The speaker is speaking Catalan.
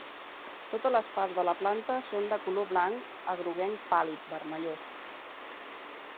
Totes les parts de la planta són de color blanc a groguenc pàl·lid vermellós.